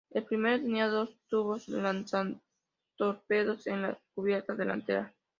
El primero tenía dos tubos lanzatorpedos en la cubierta delantera.